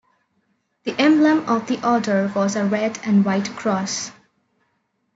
The emblem of the order was a red and white cross.